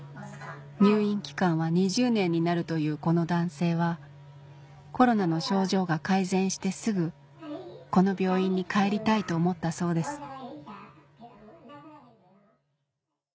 入院期間は２０年になるというこの男性はコロナの症状が改善してすぐこの病院に帰りたいと思ったそうです